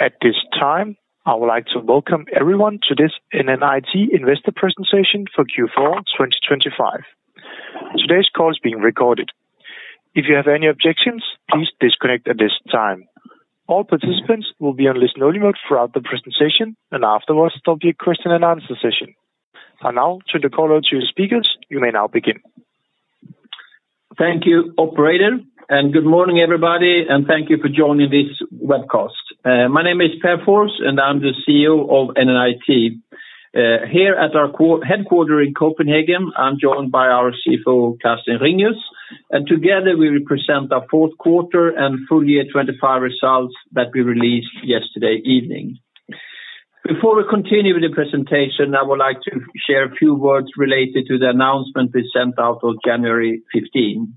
At this time, I would like to welcome everyone to this NNIT Investor Presentation for Q4 2025. Today's call is being recorded. If you have any objections, please disconnect at this time. All participants will be on listen-only mode throughout the presentation, and afterwards, there'll be a question-and-answer session. And now to the call to speakers, you may now begin. Thank you, Operator, and good morning, everybody, and thank you for joining this webcast. My name is Pär Fors, and I'm the CEO of NNIT. Here at our headquarters in Copenhagen, I'm joined by our CFO, Carsten Ringius, and together we represent our fourth quarter and full year 2025 results that we released yesterday evening. Before we continue with the presentation, I would like to share a few words related to the announcement we sent out on January 15.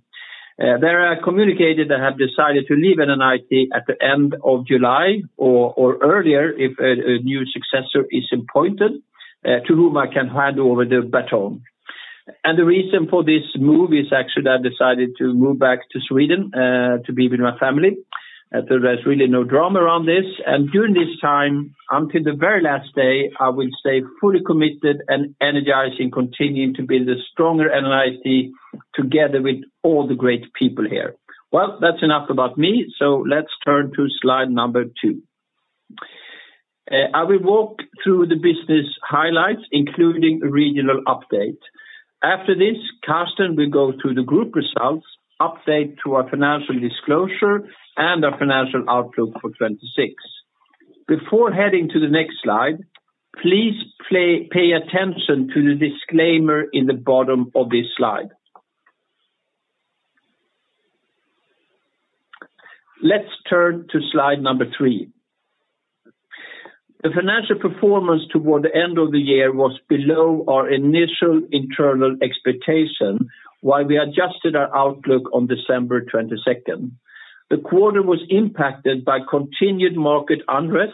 There I communicated I have decided to leave NNIT at the end of July or earlier if a new successor is appointed to whom I can hand over the baton. And the reason for this move is actually I've decided to move back to Sweden to be with my family. There's really no drama around this, and during this time, until the very last day, I will stay fully committed and energizing, continuing to build a stronger NNIT together with all the great people here. Well, that's enough about me, so let's turn to slide number two. I will walk through the business highlights, including a regional update. After this, Carsten will go through the group results, update to our financial disclosure, and our financial outlook for 2026. Before heading to the next slide, please pay attention to the disclaimer in the bottom of this slide. Let's turn to slide number three. The financial performance toward the end of the year was below our initial internal expectation, while we adjusted our outlook on December 22nd. The quarter was impacted by continued market unrest,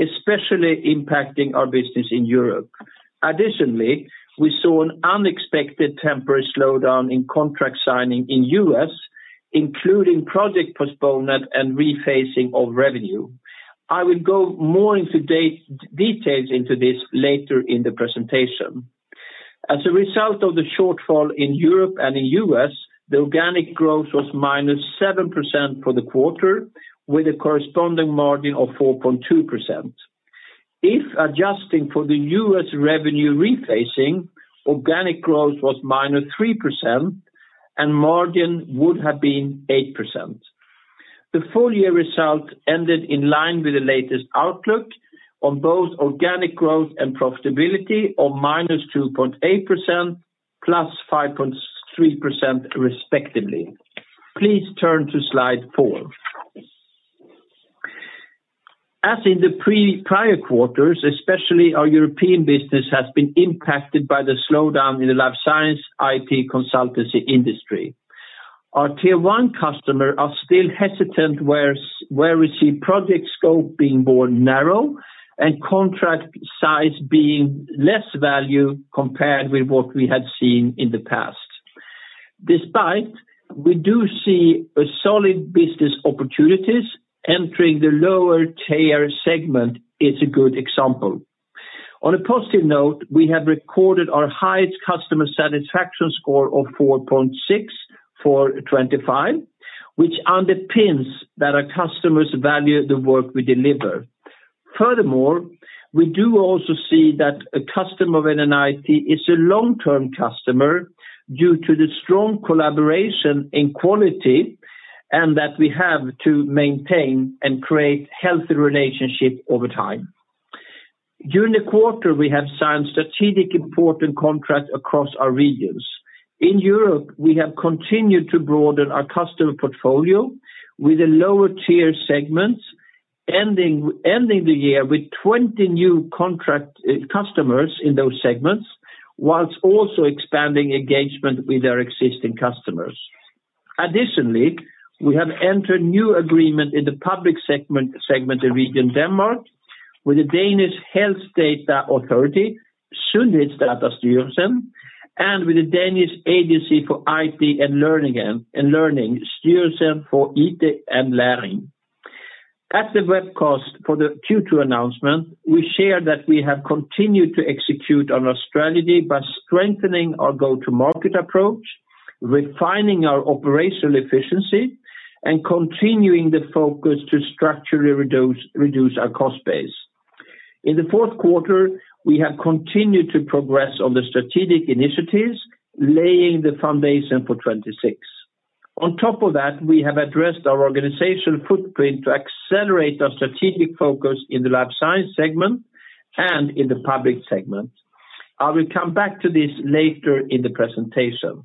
especially impacting our business in Europe. Additionally, we saw an unexpected temporary slowdown in contract signing in U.S., including project postponement and rephasing of revenue. I will go more into the details of this later in the presentation. As a result of the shortfall in Europe and in U.S., the organic growth was -7% for the quarter, with a corresponding margin of 4.2%. If adjusting for the U.S. revenue rephasing, organic growth was -3%, and margin would have been 8%. The full year result ended in line with the latest outlook on both organic growth and profitability of -2.8% +5.3%, respectively. Please turn to slide four. As in the prior quarters, especially our European business has been impacted by the slowdown in the life science IT consultancy industry. Our Tier 1 customer are still hesitant, where we see project scope being more narrow and contract size being less value compared with what we had seen in the past. Despite, we do see a solid business opportunities. Entering the lower tier segment is a good example. On a positive note, we have recorded our highest customer satisfaction score of 4.6 for 2025, which underpins that our customers value the work we deliver. Furthermore, we do also see that a customer of NNIT is a long-term customer due to the strong collaboration and quality, and that we have to maintain and create healthy relationship over time. During the quarter, we have signed strategic important contracts across our regions. In Europe, we have continued to broaden our customer portfolio with the lower tier segments, ending the year with 20 new contract customers in those segments, while also expanding engagement with our existing customers. Additionally, we have entered new agreement in the public segment in region Denmark, with the Danish Health Data Authority, Sundhedsdatastyrelsen, and with the Danish Agency for IT and Learning, Styrelsen for It og Læring. At the webcast for the Q2 announcement, we shared that we have continued to execute on our strategy by strengthening our go-to-market approach, refining our operational efficiency, and continuing the focus to structurally reduce our cost base. In the fourth quarter, we have continued to progress on the strategic initiatives, laying the foundation for 2026. On top of that, we have addressed our organizational footprint to accelerate our strategic focus in the life science segment and in the public segment. I will come back to this later in the presentation.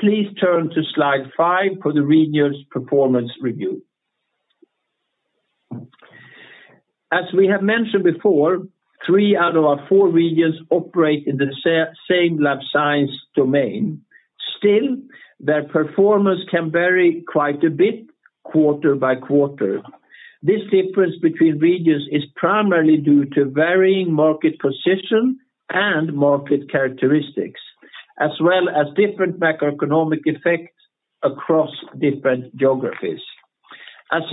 Please turn to slide 5 for the regional performance review. As we have mentioned before, three out of our four regions operate in the same life science domain. Still, their performance can vary quite a bit quarter by quarter. This difference between regions is primarily due to varying market position and market characteristics, as well as different macroeconomic effects across different geographies. As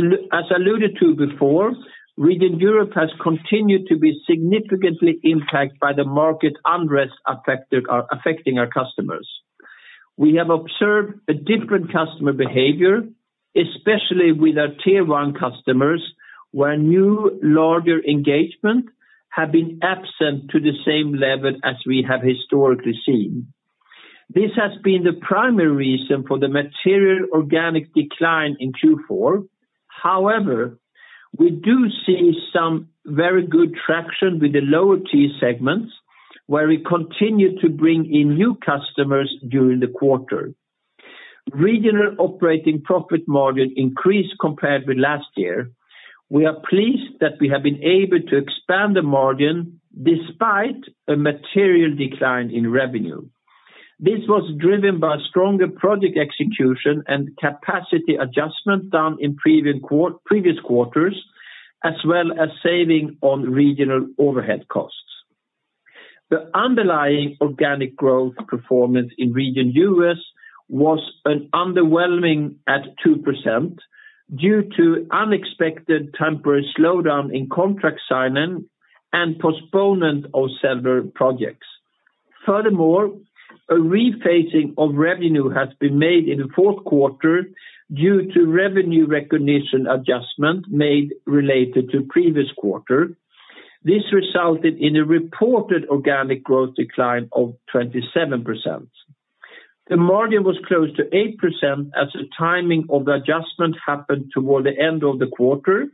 alluded to before, Region Europe has continued to be significantly impacted by the market unrest affecting our customers. We have observed a different customer behavior, especially with our Tier 1 customers, where new larger engagement have been absent to the same level as we have historically seen. This has been the primary reason for the material organic decline in Q4. However, we do see some very good traction with the lower tier segments, where we continue to bring in new customers during the quarter. Regional operating profit margin increased compared with last year. We are pleased that we have been able to expand the margin despite a material decline in revenue. This was driven by stronger project execution and capacity adjustment done in previous quarters, as well as saving on regional overhead costs. The underlying organic growth performance in Region US was underwhelming at 2%, due to unexpected temporary slowdown in contract signing and postponement of several projects. Furthermore, a rephasing of revenue has been made in the fourth quarter due to revenue recognition adjustment made related to previous quarter. This resulted in a reported organic growth decline of 27%. The margin was close to 8%, as the timing of the adjustment happened toward the end of the quarter,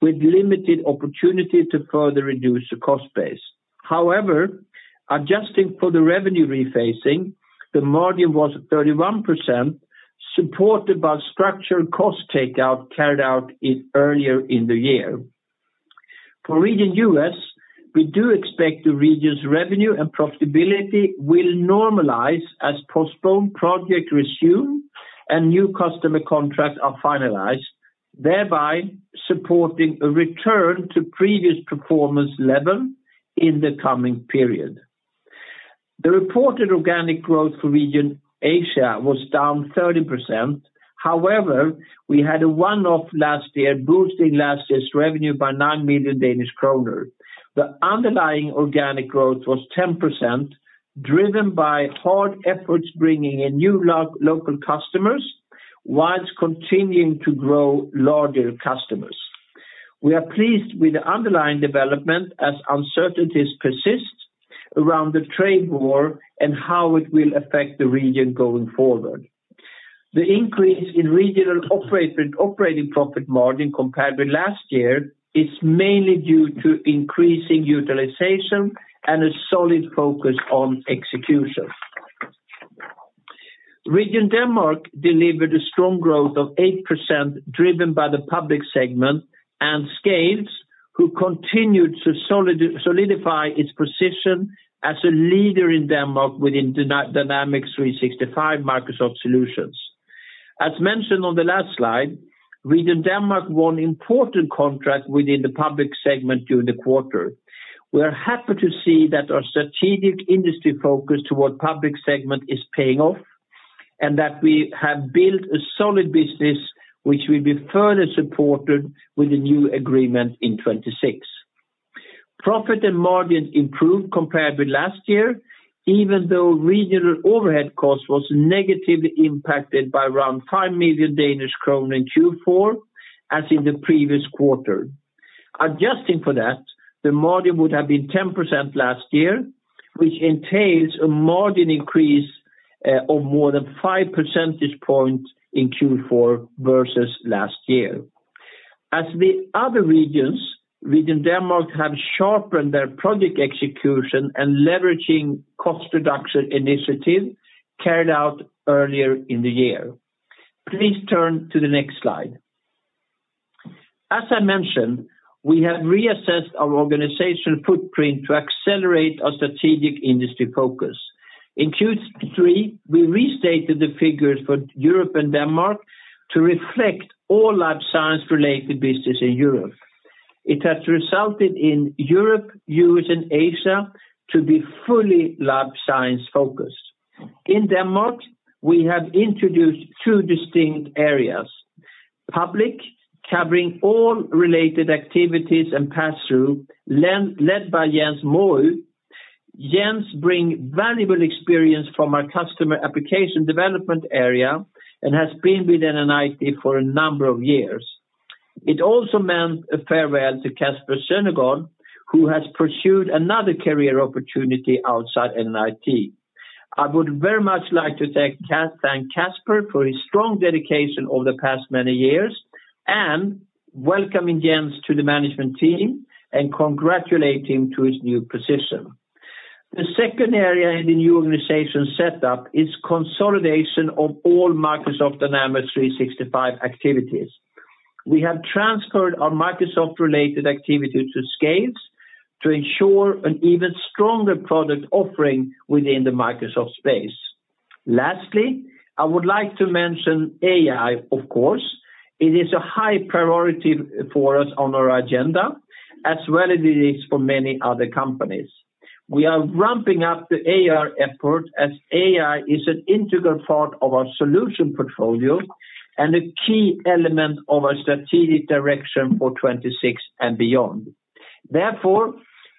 with limited opportunity to further reduce the cost base. However, adjusting for the revenue rephasing, the margin was 31%, supported by structural cost takeout carried out earlier in the year. For Region US, we do expect the region's revenue and profitability will normalize as postponed projects resume and new customer contracts are finalized, thereby supporting a return to previous performance level in the coming period. The reported organic growth for Region Asia was down 30%. However, we had a one-off last year, boosting last year's revenue by 9 million Danish kroner. The underlying organic growth was 10%, driven by hard efforts, bringing in new local customers, whilst continuing to grow larger customers. We are pleased with the underlying development as uncertainties persist around the trade war and how it will affect the region going forward. The increase in regional operating profit margin compared with last year is mainly due to increasing utilization and a solid focus on execution. Region Denmark delivered a strong growth of 8%, driven by the public segment, and SCALES, who continued to solidify its position as a leader in Denmark within Microsoft Dynamics 365 solutions. As mentioned on the last slide, Region Denmark won important contract within the public segment during the quarter. We are happy to see that our strategic industry focus toward public segment is paying off, and that we have built a solid business, which will be further supported with a new agreement in 2026. Profit and margin improved compared with last year, even though regional overhead cost was negatively impacted by around 5 million Danish krone in Q4, as in the previous quarter. Adjusting for that, the margin would have been 10% last year, which entails a margin increase of more than five percentage points in Q4 versus last year. As the other regions, Region Denmark, have sharpened their project execution and leveraging cost reduction initiative carried out earlier in the year. Please turn to the next slide. As I mentioned, we have reassessed our organizational footprint to accelerate our strategic industry focus. In Q3, we restated the figures for Europe and Denmark to reflect all life science-related business in Europe. It also meant a farewell to Kasper Søndergaard, who has pursued another career opportunity outside NNIT. I would very much like to thank Kasper for his strong dedication over the past many years, and welcoming Jens to the management team, and congratulate him to his new position. The second area in the new organization setup is consolidation of all Microsoft Dynamics 365 activities. We have transferred our Microsoft-related activity to SCALES to ensure an even stronger product offering within the Microsoft space. Lastly, I would like to mention AI, of course. It is a high priority for us on our agenda, as well as it is for many other companies. We are ramping up the AI effort, as AI is an integral part of our solution portfolio and a key element of our strategic direction for 2026 and beyond. Therefore,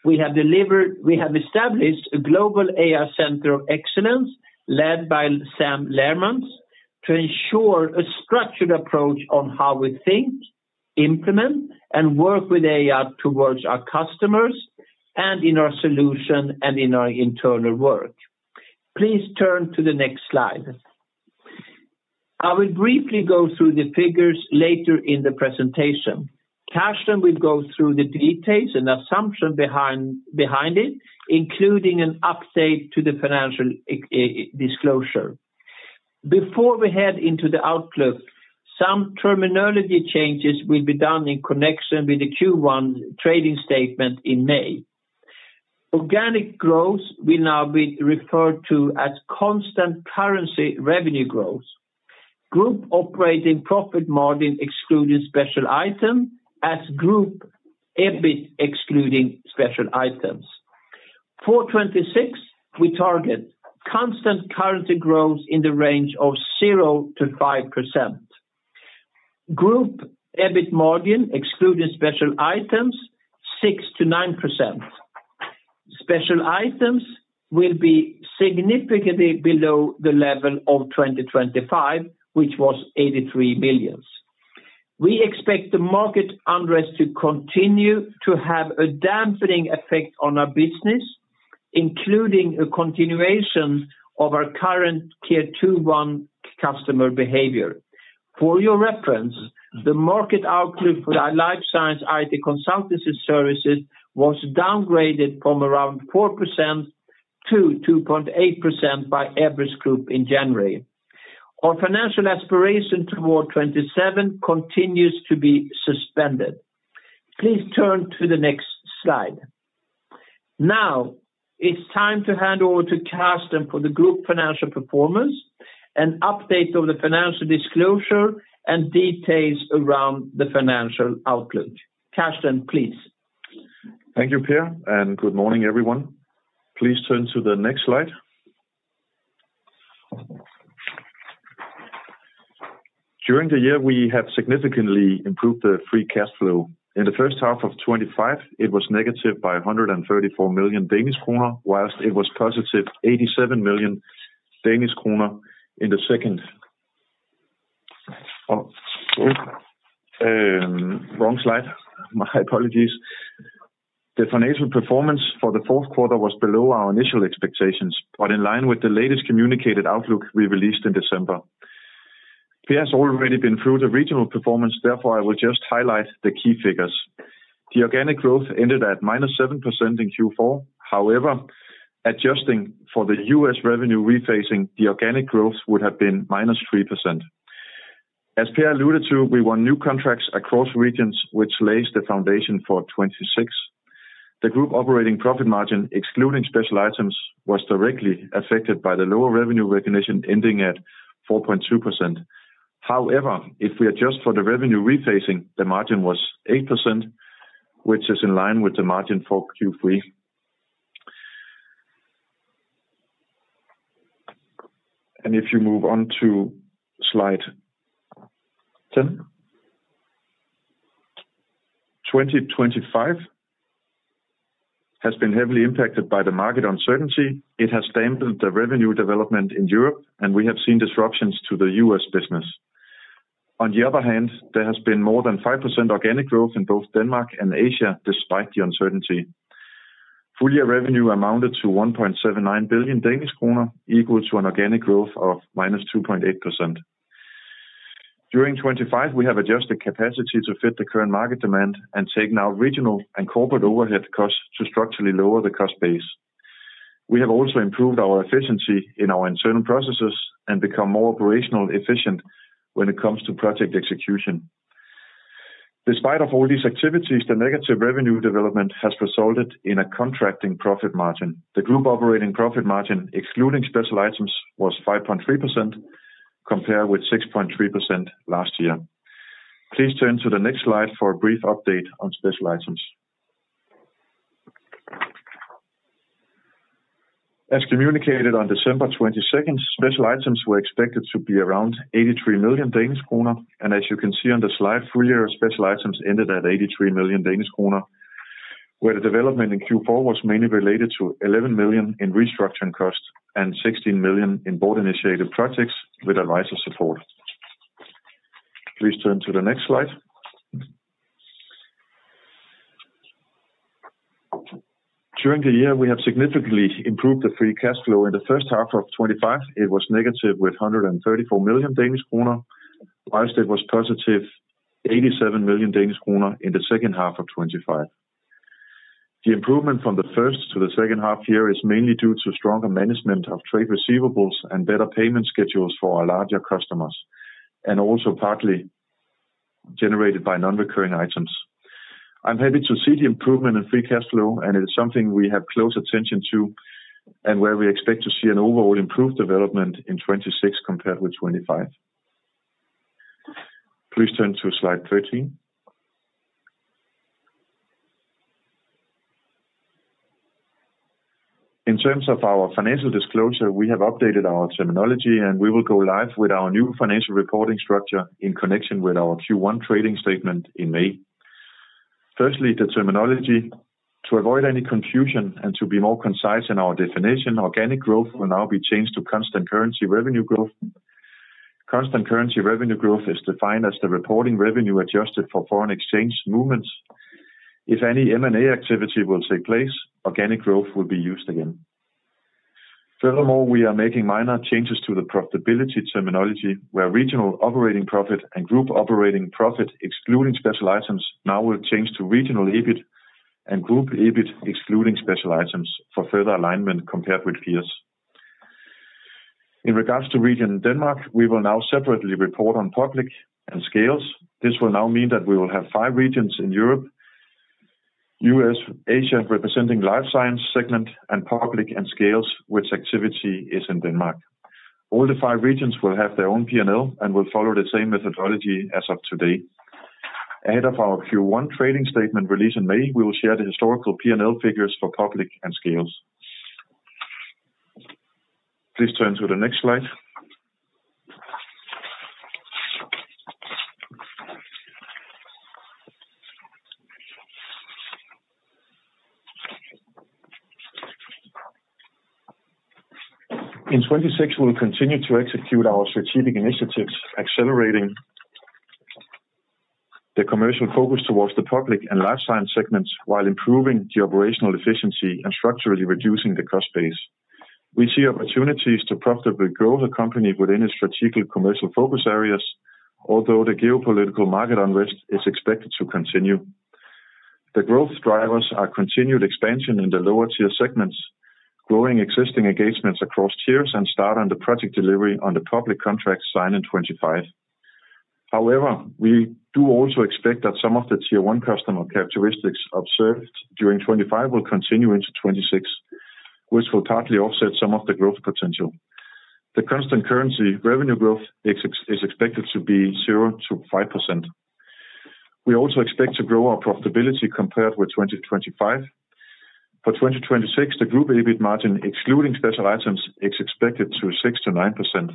we have established a global AI center of excellence, led by Sam Laermans, to ensure a structured approach on how we think, implement, and work with AI towards our customers, and in our solution, and in our internal work. Please turn to the next slide. I will briefly go through the figures later in the presentation. Carsten will go through the details and assumption behind it, including an update to the financial disclosure. Before we head into the outlook, some terminology changes will be done in connection with the Q1 trading statement in May. Organic growth will now be referred to as constant currency revenue growth. Group operating profit margin excluding special items, as Group EBIT excluding special items. For 2026, we target constant currency growth in the range of 0%-5%. Group EBIT margin, excluding special items, 6%-9%. Special items will be significantly below the level of 2025, which was 83 million. We expect the market unrest to continue to have a dampening effect on our business, including a continuation of our current tier one customer behavior. For your reference, the market outlook for our life science IT consultancy services was downgraded from around 4% to 2.8% by Everest Group in January. Our financial aspiration toward 2027 continues to be suspended. Please turn to the next slide. Now, it's time to hand over to Carsten for the group financial performance, an update of the financial disclosure, and details around the financial outlook. Carsten, please. Thank you, Pär, and good morning, everyone. Please turn to the next slide. During the year, we have significantly improved the free cash flow. In the first half of 2025, it was negative 134 million Danish kroner, while it was positive 87 million Danish kroner in the second. Oh, wrong slide. My apologies. The financial performance for the fourth quarter was below our initial expectations, but in line with the latest communicated outlook we released in December. Pär has already been through the regional performance, therefore, I will just highlight the key figures. The organic growth ended at -7% in Q4. However, adjusting for the U.S. revenue rephasing, the organic growth would have been -3%. As Pär alluded to, we won new contracts across regions, which lays the foundation for 2026. The group operating profit margin, excluding special items, was directly affected by the lower revenue recognition, ending at 4.2%. However, if we adjust for the revenue rephasing, the margin was 8%, which is in line with the margin for Q3. If you move on to slide 10. 2025 has been heavily impacted by the market uncertainty. It has dampened the revenue development in Europe, and we have seen disruptions to the U.S. business. On the other hand, there has been more than 5% organic growth in both Denmark and Asia, despite the uncertainty. Full year revenue amounted to 1.79 billion Danish kroner, equal to an organic growth of -2.8%. During 2025, we have adjusted capacity to fit the current market demand and taken out regional and corporate overhead costs to structurally lower the cost base. We have also improved our efficiency in our internal processes and become more operational efficient when it comes to project execution. Despite of all these activities, the negative revenue development has resulted in a contracting profit margin. The Group operating profit margin, excluding special items, was 5.3%, compared with 6.3% last year. Please turn to the next slide for a brief update on special items. As communicated on December 22nd, special items were expected to be around 83 million Danish kroner, and as you can see on the slide, full year special items ended at 83 million Danish kroner, where the development in Q4 was mainly related to 11 million in restructuring costs and 16 million in board-initiated projects with advisor support. Please turn to the next slide. During the year, we have significantly improved the free cash flow. In the first half of 2025, it was -134 million Danish kroner, while it was +87 million Danish kroner in the second half of 2025. The improvement from the first to the second half year is mainly due to stronger management of trade receivables and better payment schedules for our larger customers, and also partly generated by non-recurring items. I'm happy to see the improvement in free cash flow, and it is something we have close attention to, and where we expect to see an overall improved development in 2026 compared with 2025. Please turn to slide 13. In terms of our financial disclosure, we have updated our terminology, and we will go live with our new financial reporting structure in connection with our Q1 trading statement in May. Firstly, the terminology. To avoid any confusion and to be more concise in our definition, organic growth will now be changed to constant currency revenue growth. Constant currency revenue growth is defined as the reporting revenue adjusted for foreign exchange movements. If any M&A activity will take place, organic growth will be used again. Furthermore, we are making minor changes to the profitability terminology, where regional operating profit and group operating profit, excluding special items, now will change to regional EBIT and group EBIT, excluding special items, for further alignment compared with peers. In regards to Region Denmark, we will now separately report on Public & SCALES. This will now mean that we will have five regions in Europe, U.S., Asia, representing life science segment and Public & SCALES, which activity is in Denmark. All the five regions will have their own P&L and will follow the same methodology as of today. Ahead of our Q1 trading statement release in May, we will share the historical P&L figures for Public & SCALES. Please turn to the next slide. In 2026, we'll continue to execute our strategic initiatives, accelerating the commercial focus towards the public and life science segments, while improving the operational efficiency and structurally reducing the cost base. We see opportunities to profitably grow the company within its strategic commercial focus areas, although the geopolitical market unrest is expected to continue. The growth drivers are continued expansion in the lower tier segments, growing existing engagements across tiers, and start on the project delivery on the public contracts signed in 2025. However, we do also expect that some of the tier one customer characteristics observed during 2025 will continue into 2026, which will partly offset some of the growth potential. The constant currency revenue growth is expected to be 0%-5%. We also expect to grow our profitability compared with 2025. For 2026, the group EBIT margin, excluding special items, is expected to 6%-9%.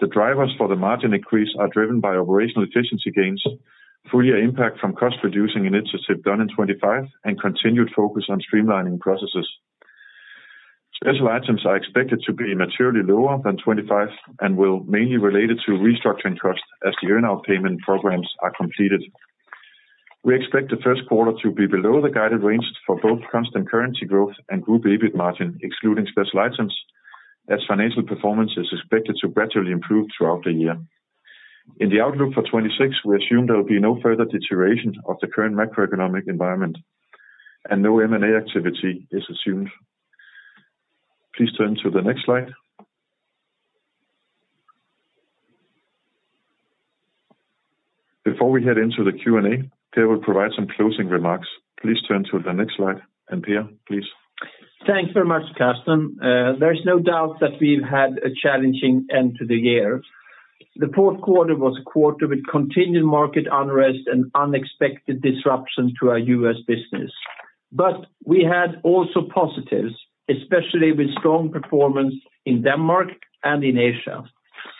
The drivers for the margin increase are driven by operational efficiency gains, full year impact from cost reducing initiatives done in 2025, and continued focus on streamlining processes. Special items are expected to be materially lower than 2025 and will mainly related to restructuring costs as the earn-out payment programs are completed. We expect the first quarter to be below the guided range for both constant currency growth and group EBIT margin, excluding special items, as financial performance is expected to gradually improve throughout the year. In the outlook for 2026, we assume there will be no further deterioration of the current macroeconomic environment and no M&A activity is assumed. Please turn to the next slide. Before we head into the Q&A, Pär will provide some closing remarks. Please turn to the next slide. Pär, please. Thanks very much, Carsten. There's no doubt that we've had a challenging end to the year. The fourth quarter was a quarter with continued market unrest and unexpected disruption to our U.S. business. But we had also positives, especially with strong performance in Denmark and in Asia.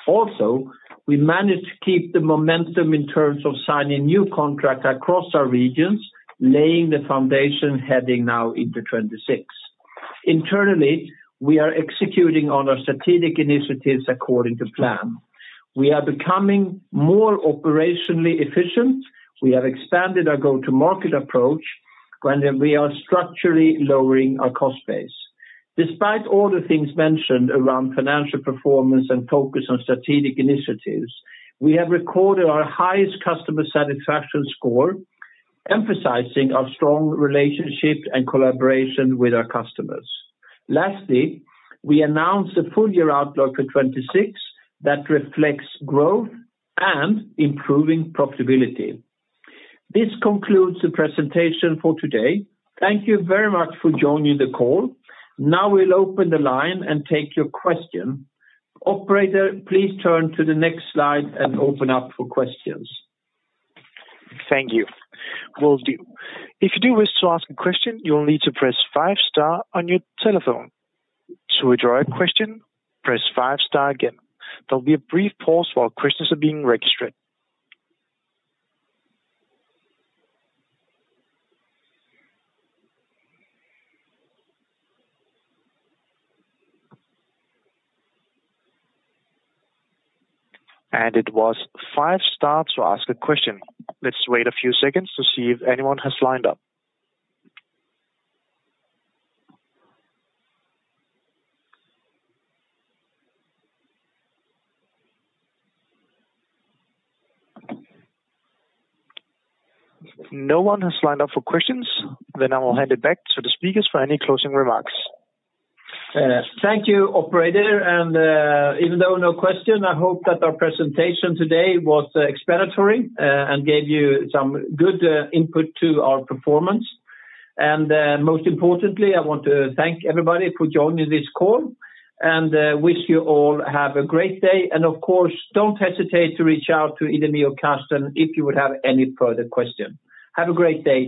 Also, we managed to keep the momentum in terms of signing new contract across our regions, laying the foundation, heading now into 2026. Internally, we are executing on our strategic initiatives according to plan. We are becoming more operationally efficient, we have expanded our go-to-market approach, and we are structurally lowering our cost base. Despite all the things mentioned around financial performance and focus on strategic initiatives, we have recorded our highest customer satisfaction score, emphasizing our strong relationship and collaboration with our customers. Lastly, we announced a full year outlook for 2026 that reflects growth and improving profitability. This concludes the presentation for today. Thank you very much for joining the call. Now we'll open the line and take your question. Operator, please turn to the next slide and open up for questions. Thank you. Will do. If you do wish to ask a question, you will need to press five star on your telephone. To withdraw your question, press five star again. There'll be a brief pause while questions are being registered. And it was five stars to ask a question. Let's wait a few seconds to see if anyone has lined up. No one has lined up for questions, then I will hand it back to the speakers for any closing remarks. Thank you, Operator. Even though no question, I hope that our presentation today was explanatory, and gave you some good, input to our performance. Most importantly, I want to thank everybody for joining this call and, wish you all have a great day. Of course, don't hesitate to reach out to either me or Carsten if you would have any further question. Have a great day.